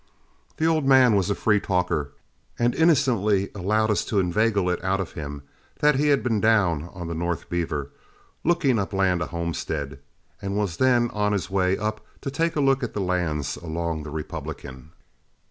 The old man was a free talker, and innocently allowed us to inveigle it out of him that he had been down on the North Beaver, looking up land to homestead, and was then on his way up to take a look at the lands along the Republican.